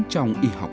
trong y học cổ